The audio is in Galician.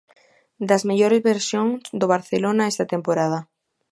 Das mellores versións do Barcelona esta temporada.